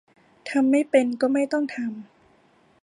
ทำไม่เป็น ก็ไม่ต้องทำ